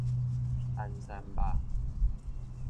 零星肉